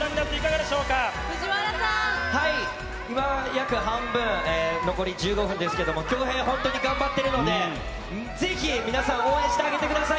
今、約半分、残り１５分ですけれども、恭平、本当に頑張っているので、ぜひ皆さん、応援してあげてください。